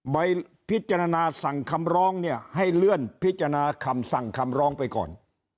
ใบพิจารณาสั่งคำร้องเนี่ยให้เลื่อนพิจารณาคำสั่งคำร้องไปก่อน